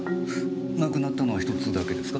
なくなったのは１つだけですか？